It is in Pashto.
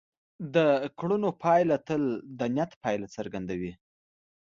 د کړنو پایله تل د نیت پایله څرګندوي.